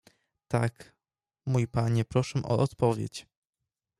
"Tak, mój panie proszę o odpowiedź."